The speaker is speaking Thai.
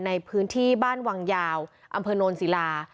ในพื้นที่บ้านวังยาวอำเภอโนนศิลา